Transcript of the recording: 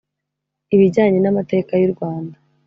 Ibijyanye n’amateka y’u Rwanda